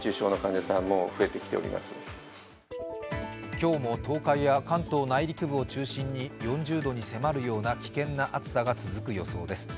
今日も東海や関東内陸部を中心に４０度に迫るような危険な暑さが続く予想です。